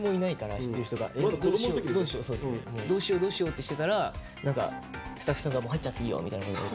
どうしようどうしようってしてたらスタッフさんが「もう入っちゃっていいよ」みたいな。